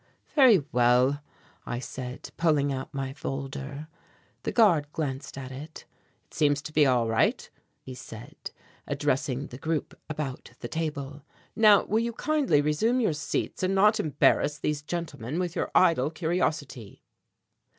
"Very well," I said, pulling out my folder. The guard glanced at it. "It seems to be all right," he said, addressing the group about the table; "now will you kindly resume your seats and not embarrass these gentlemen with your idle curiosity?"